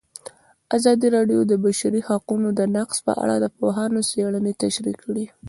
ازادي راډیو د د بشري حقونو نقض په اړه د پوهانو څېړنې تشریح کړې.